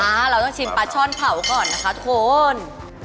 เราต้องชิมปลาช่อนเผาก่อนนะคะทุกคน